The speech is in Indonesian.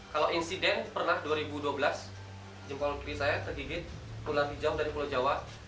kalau insiden pernah dua ribu dua belas jempol kli saya tergigit ular hijau dari pulau jawa